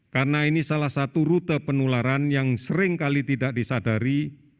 karena ini salah satu rute penularan yang seringkali tidak disadari